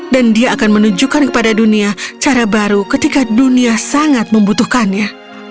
dan dia akan menunjukkan kepada dunia cara baru ketika dunia sangat membutuhkannya